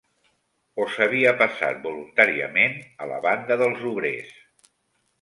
O s'havia passat voluntàriament a la banda dels obrers